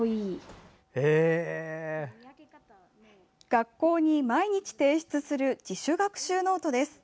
学校に毎日提出する自主学習ノートです。